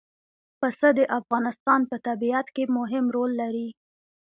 پسه د افغانستان په طبیعت کې مهم رول لري.